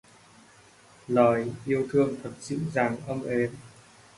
Lời yêu thương...thật dịu dàng ấm êm.